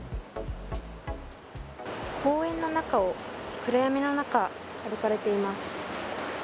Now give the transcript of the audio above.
公園の中を暗闇の中歩かれています。